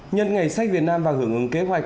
nhân ngày sách việt nam và hưởng ứng kế hoạch